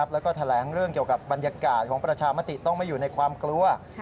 แล้วก็แถลงเรื่องเกี่ยวกับบรรยากาศของประชามติต้องไม่อยู่ในความกลัว